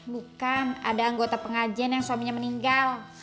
bukan ada anggota pengajian yang suaminya meninggal